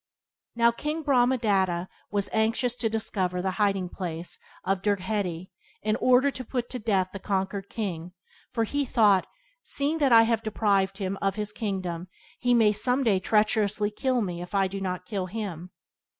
Now, King Brahmadatta was anxious to discover the hiding place of Dirgheti, in order to put to death the conquered king, for he thought, "Seeing that I have deprived him of his kingdom he may someday treacherously kill me If I do not kill him."